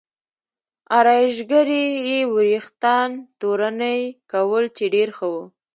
ارایشګرې یې وریښتان تورنۍ کول چې ډېر ښه و.